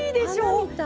花みたい。